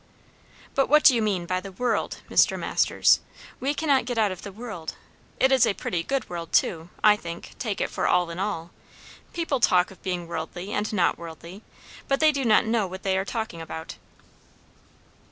"But what do you mean by the world, Mr. Masters? We cannot get out of the world it is a pretty good world, too, I think, take it for all in all. People talk of being worldly and not worldly; but they do not know what they are talking about."